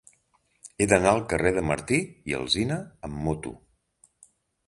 He d'anar al carrer de Martí i Alsina amb moto.